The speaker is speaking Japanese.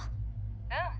うん。